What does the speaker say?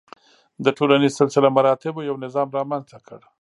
د ټولنیز سلسله مراتبو یو نظام رامنځته کړ.